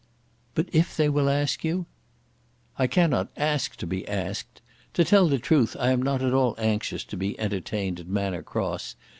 "But if they will ask you?" "I cannot ask to be asked. To tell the truth I am not at all anxious to be entertained at Manor Cross.